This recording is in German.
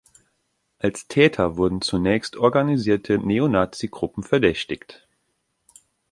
Als Täter wurden zunächst organisierte Neonazi-Gruppen verdächtigt.